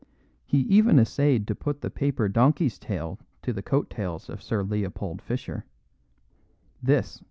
He even essayed to put the paper donkey's tail to the coat tails of Sir Leopold Fischer.